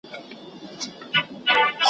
د خپل زاړه معلم ابلیس مخي ته ,